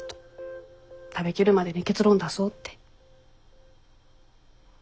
食べきるまでに結論出そうって。